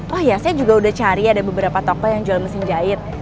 wah ya saya juga udah cari ada beberapa toko yang jual mesin jahit